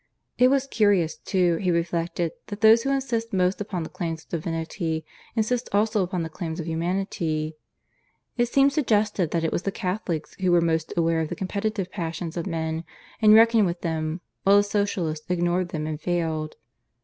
It was curious, too, he reflected, that those who insist most upon the claims of Divinity insist also upon the claims of humanity. It seemed suggestive that it was the Catholics who were most aware of the competitive passions of men and reckoned with them, while the Socialists ignored them and failed.